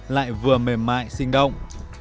lại vừa mềm mại sinh động